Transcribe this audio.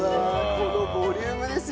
このボリュームですよ。